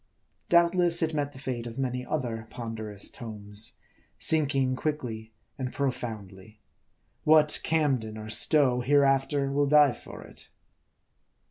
Doubtless, it met the fate of many other ponderous {pines ; sinking quickly and profoundly. What Camden of Stowe hereafter will dive for it?